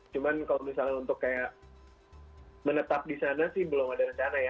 cuma kalau misalnya untuk kayak menetap di sana sih belum ada rencana ya